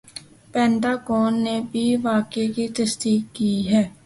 پینٹا gone نے بھی واقعہ کی تصدیق کی ہے